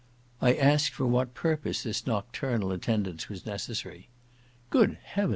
I asked for what purpose this nocturnal attendance was necessary? "Good heaven!"